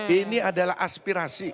ini adalah aspirasi